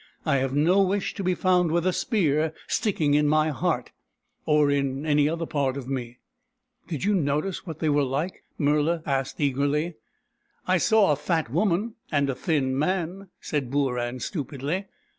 I have no wish to be found with a spear sticking in my heart, or in any other part of me." " Did you notice what they were like ?" Murla asked eagerly. " 1 saw a fat woman, and a thin man," said Booran stupidly.